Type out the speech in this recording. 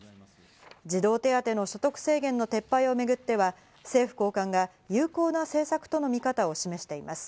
児童手当の所得制限の撤廃をめぐっては政府高官が有効な政策との見方を示しています。